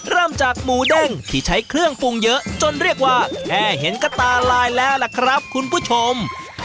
เริ่มจากหมูเด้งที่ใช้เครื่องปรุงเยอะจนเรียกว่าแค่เห็นก็ตาลายแล้วล่ะครับคุณผู้ชม